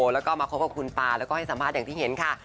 แล้วก็มาคบกับคุณปาแล้วก็ให้สัมภาษณ์อย่างที่เห็นค่ะ